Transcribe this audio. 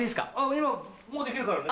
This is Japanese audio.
今もう出来るからね。